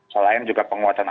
selain juga penguatan alam